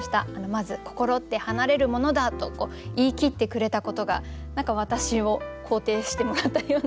まず「心って離れるものだ」と言い切ってくれたことが何か私を肯定してもらったような。